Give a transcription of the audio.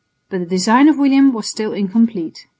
But the design of William was still incomplete.